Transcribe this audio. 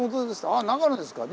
「ああ長野ですか」